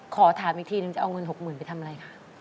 ขอถามอีกทีนึงจะเอาเงิน๖๐๐๐ไปทำอะไรคะ